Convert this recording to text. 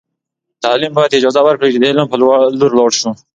تعلیم باید اجازه ورکړي چې د علم په لور لاړ سو.